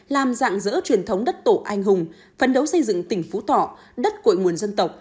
làm dạng dỡ truyền thống đất tổ anh hùng phấn đấu xây dựng tỉnh phú thọ đất cội nguồn dân tộc